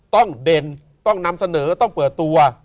เด่นต้องนำเสนอต้องเปิดตัว